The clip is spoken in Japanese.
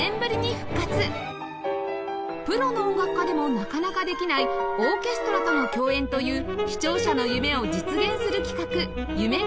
プロの音楽家でもなかなかできないオーケストラとの共演という視聴者の夢を実現する企画夢響